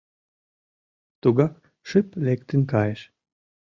Тугак шып лектын кайыш.